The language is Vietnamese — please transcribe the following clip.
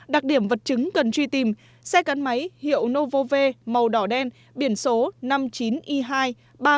đặc điểm vật chứng cần truy tìm xe gắn máy hiệu novo v màu đỏ đen biển số năm mươi chín i hai ba mươi nghìn một trăm chín mươi tám